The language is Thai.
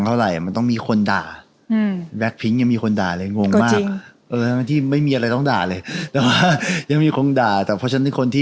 หลังคุณเขาด่าเราเสร็จ